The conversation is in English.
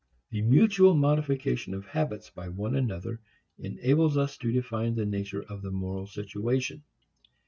The mutual modification of habits by one another enables us to define the nature of the moral situation.